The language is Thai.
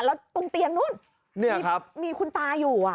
แล้วตรงเตียงนู้นมีคุณตาอยู่